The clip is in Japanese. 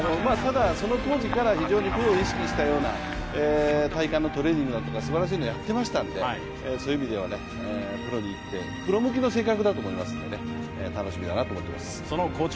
ただ、その当時から非常にプロを意識したような体幹トレーニングだとか、すばらしいものをやっていましたのでプロに行って、プロ向きの性格だと思ってますので楽しみだなと思っています。